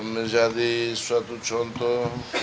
menjadi suatu contoh